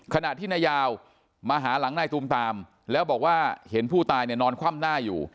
ขณะที่นายาวมาหาหลังนายตูมตามแล้วบอกว่าเห็นผู้ตายเนี่ยนอนคว่ำหน้าอยู่